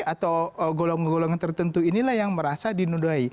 atau golong golong tertentu inilah yang merasa dinodai